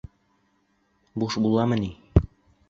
— Буш буламы ни?